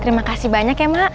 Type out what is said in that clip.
terima kasih banyak ya mak